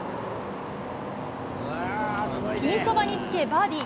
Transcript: ピンそばにつけバーディー。